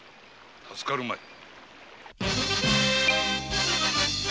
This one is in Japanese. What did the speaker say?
助かるまい。